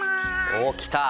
おおきた！